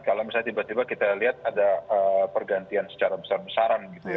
kalau misalnya tiba tiba kita lihat ada pergantian secara besar besaran gitu ya